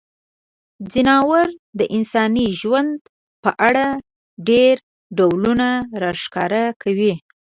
ځناور د انساني ژوند په اړه ډیری ډولونه راښکاره کوي.